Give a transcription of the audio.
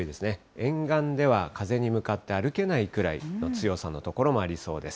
沿岸では風に向かって歩けないくらいの強さの所もありそうです。